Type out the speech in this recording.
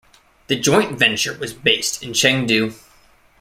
The joint-venture was based in Chengdu.